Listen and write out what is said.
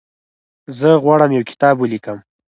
زه غواړم یو کتاب ولیکم.